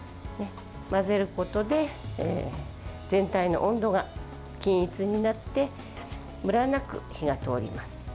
混ぜることで全体の温度が均一になってムラなく火が通ります。